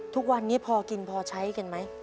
ทุกวันนี้พอกินพอใช้กันไหม